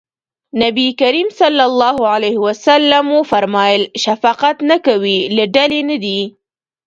نبي کريم ص وفرمایل شفقت نه کوي له ډلې نه دی.